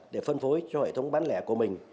để phân phối cho hệ thống bán lẻ của mình